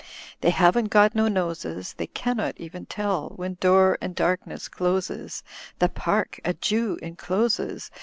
''They haven't got no noses. They cannot even tell When door and darkness closes The park a Jew encloses.